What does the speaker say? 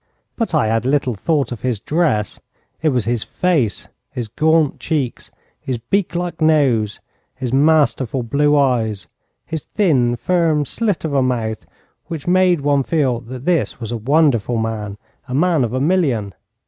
But I had little thought of his dress. It was his face, his gaunt cheeks, his beak like nose, his masterful blue eyes, his thin, firm slit of a mouth which made one feel that this was a wonderful man, a man of a million.